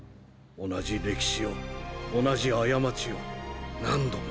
同じ歴史を同じ過ちを何度も。